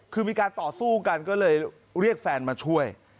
คือมีการต่อสู้กันก็เลยเรียกแฟนมาช่วย